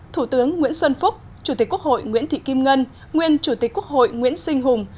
thủ tướng nguyễn xuân phúc chủ tịch quốc hội nguyễn thị kim ngân nguyên chủ tịch quốc hội nguyễn sinh hùng